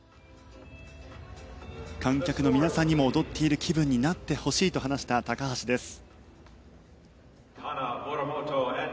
観客の皆さんにも踊っている気分になってほしいと話した高橋です。